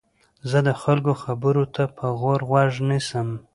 زه د خلکو خبرو ته په غور غوږ نیسم.